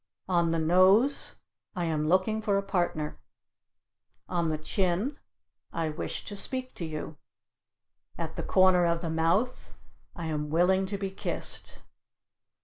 On the nose I am looking for a partner. On the chin I wish to speak to you. At the corner of the mouth I am willing to be kissed.